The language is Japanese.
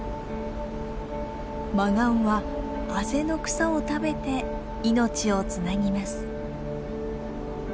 マガンはあぜの草を食べて命をつなぎます。